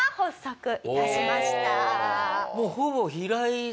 もうほぼはい。